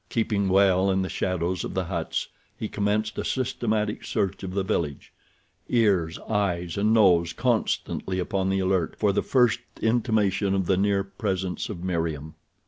Keeping well in the shadows of the huts he commenced a systematic search of the village—ears, eyes and nose constantly upon the alert for the first intimation of the near presence of Meriem.